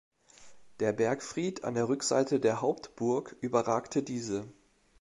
Der Bergfried an der Rückseite der Hauptburg überragte diese.